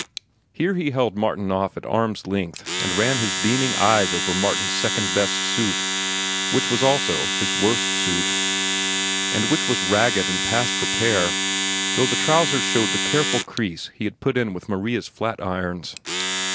Here he held Martin off at arm's length and ran his beaming eyes over Martin's second best suit, which was also his worst suit, and which was ragged and past repair, though the trousers showed the careful crease he had put in with Maria's flat irons.